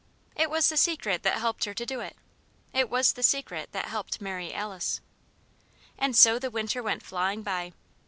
It was the Secret that helped her to do it. It was the Secret that helped Mary Alice. And so the winter went flying by.